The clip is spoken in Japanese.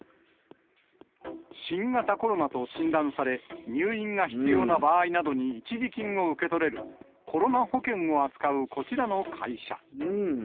新型コロナと診断され、入院が必要な場合などに一時金を受け取れるコロナ保険を扱うこちらの会社。